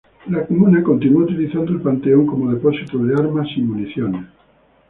La Comuna continuó utilizando el Panteón como depósito de armas y municiones.